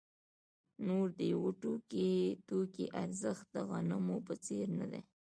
نور د یوه توکي ارزښت د غنمو په څېر نه دی